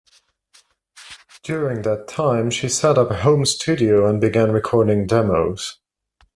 During that time she set up a home studio and began recording demos.